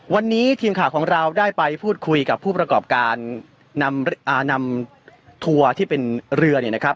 วันนี้ทีมข่าวของเราได้ไปพูดคุยกับผู้ประกอบการนำทัวร์ที่เป็นเรือเนี่ยนะครับ